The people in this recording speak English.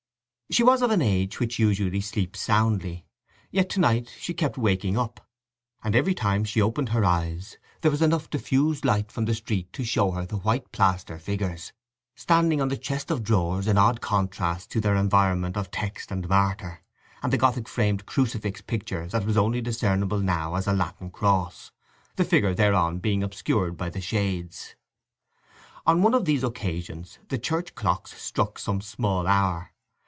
She was of an age which usually sleeps soundly, yet to night she kept waking up, and every time she opened her eyes there was enough diffused light from the street to show her the white plaster figures, standing on the chest of drawers in odd contrast to their environment of text and martyr, and the Gothic framed Crucifix picture that was only discernible now as a Latin cross, the figure thereon being obscured by the shades. On one of these occasions the church clocks struck some small hour.